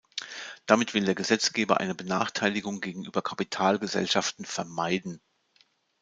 Damit will der Gesetzgeber eine Benachteiligung gegenüber Kapitalgesellschaften vermeiden.